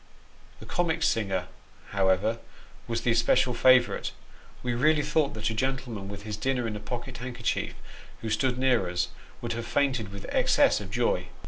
The comic singer, however, was the especial favourite ; we really thought that a gentleman, with his dinner in a pocket handkerchief, who stood near us, would have fainted with excess of joy.